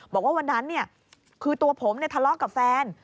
บอกว่าวันนั้นคือตัวผมทะเลาะกับแฟน